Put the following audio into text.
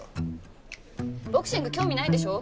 ボクシング興味ないんでしょ？